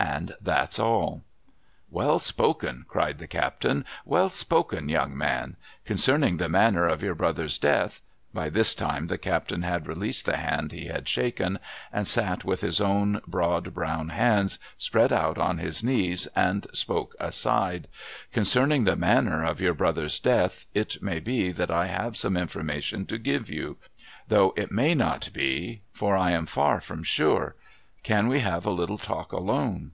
And that's all' ' Well spoken !' cried the captain. ' Well spoken, young man ! Concerning the manner of your brother's death,' — by this time the captain had released the hand he had shaken, and sat with his own broad, brown hands spread out on his knees, and spoke aside,^ 'concerning the manner of your brother's death, it may be that I have some information to give you ; though it may not be, for I am far from sure. Can we have a little talk alone